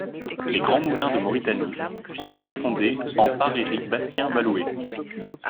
Les Grands Moulins de Mauritanie ont été fondés en par Eric-Bastien Ballouhey.